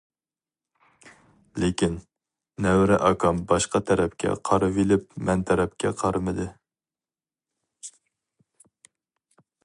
لېكىن، نەۋرە ئاكام باشقا تەرەپكە قارىۋېلىپ مەن تەرەپكە قارىمىدى.